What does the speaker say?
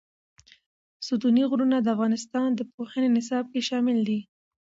ستوني غرونه د افغانستان د پوهنې نصاب کې شامل دي.